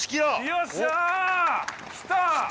よっしゃー！きた！